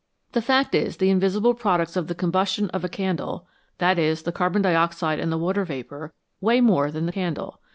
The fact is, the invisible products of the combustion of a candle that is, the carbon dioxide and the water vapour weigh more than the candle.